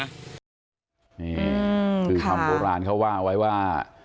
ค่าคือคำโบราณเขาว่าว่า